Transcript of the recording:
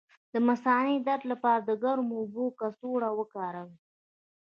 د مثانې د درد لپاره د ګرمو اوبو کڅوړه وکاروئ